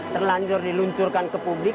terlanjur diluncurkan ke publik